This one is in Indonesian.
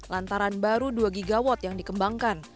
lantaran baru dua gigawatt yang dikembangkan